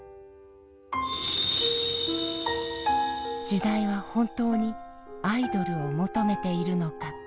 時代は本当にアイドルを求めているのか。